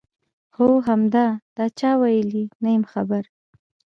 هو همدا، دا چا ویلي؟ نه یم خبر.